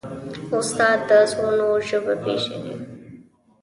استاد د زړونو ژبه پېژني.